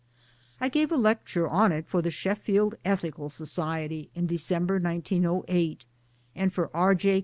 I gave a lecture on it for the Sheffield Ethical Society in December 1908 and for R. J.